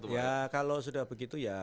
ya kalau sudah begitu ya